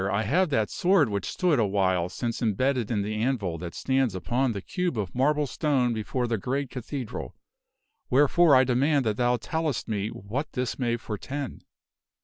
I have that sword which stood a while since embedded in the anvil that stands upon the cube of marble stone before the great cathedral. Wherefore I demand that thou tell est me what this may foretend